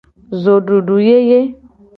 Zodudu yeye.